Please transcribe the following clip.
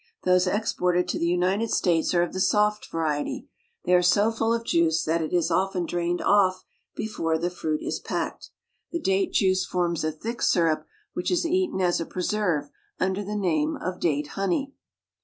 Those exported to the United States are of the soft variety ; they are so full of juice that it is often drained off before the fruit is packed. The date juice forms a thick sirup, which is eaten as a preserve under the name of date honey.